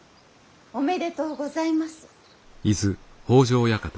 おめでとうございます。